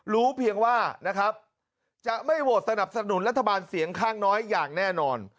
รู้เพียงว่านะครับจะไม่โหวตสนับสนุนรัฐบาลเสียงข้างน้อยอย่างแน่นอน